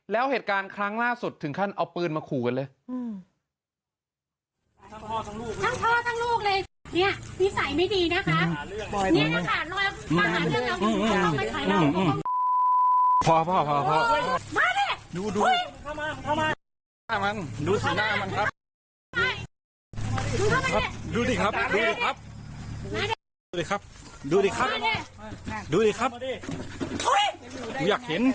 แล้วเหตุการณ์ครั้งล่าสุดถึงขั้นเอาปืนมาขู่กันเลย